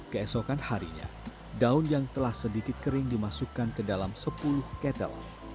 keesokan harinya daun yang telah sedikit kering dimasukkan ke dalam sepuluh ketel